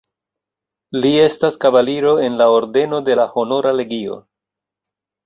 Li estas kavaliro en la ordeno de la Honora Legio.